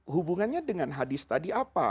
hubungannya dengan hadis tadi apa